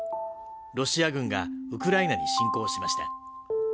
ロシア軍がウクライナに侵攻しました